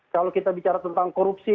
kalau kita bicara tentang korupsi